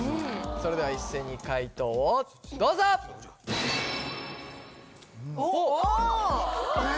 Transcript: それでは一斉に解答をどうぞおっおっ！